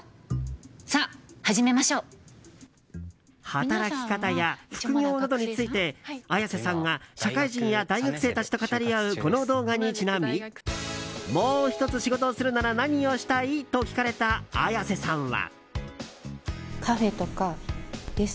働き方や副業などについて綾瀬さんが社会人や大学生たちと語り合うこの動画にちなみもう１つ仕事をするなら何をしたい？と聞かれた綾瀬さんは。